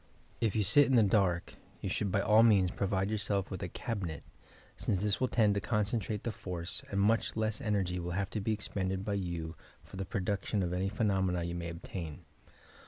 If you sit in the dark you should by all means provide yourself with a cabinet, since this will tend to concentrate the force, and much less energy will have to be expended by you for the production of any phenomena you may obtain.